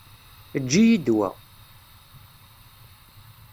Eǧǧ-iyi-d wa.